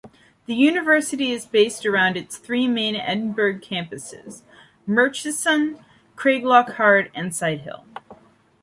The university is based around its three main Edinburgh campuses: Merchiston, Craiglockhart and Sighthill.